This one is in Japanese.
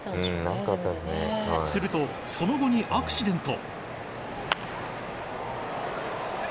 すると、その後にアクシデント。